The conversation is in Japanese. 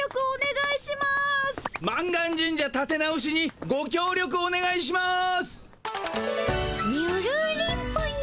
満願神社たて直しにごきょう力おねがいします。